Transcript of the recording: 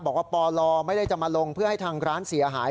บอกว่าปลไม่ได้จะมาลงเพื่อให้ทางร้านเสียหาย